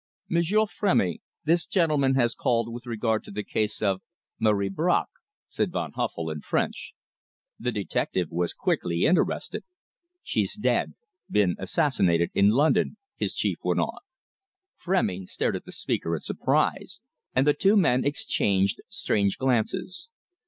"Monsieur Frémy. This gentleman has called with regard to the case of Marie Bracq," said Van Huffel in French. The detective was quickly interested. "She is dead been assassinated in London," his chief went on. Frémy stared at the speaker in surprise, and the two men exchanged strange glances.